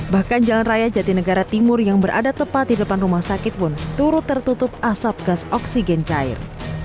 bahkan jalan raya jatinegara timur yang berada tepat di depan rumah sakit pun turut tertutup asap gas oksigen cair